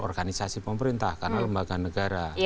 organisasi pemerintah karena lembaga negara